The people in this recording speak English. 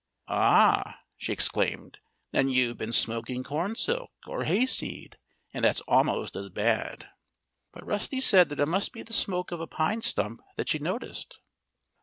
"Ah!" she exclaimed. "Then you've been smoking corn silk, or hayseed and that's almost as bad." But Rusty said that it must be the smoke of a pine stump that she noticed.